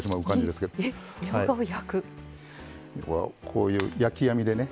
こういう焼き網でね。